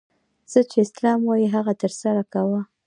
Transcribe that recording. څه چي اسلام وايي هغه ترسره کوه!